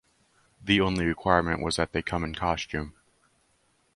The only requirement was they come in costume.